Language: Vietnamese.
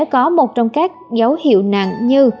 có một trong các dấu hiệu nặng như